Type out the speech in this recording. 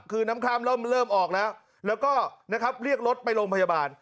คือน้ำข้ามเริ่มออกแล้วแล้วก็นะครับเรียกรถไปโรงพยาบาล